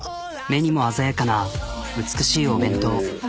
目にも鮮やかな美しいお弁当。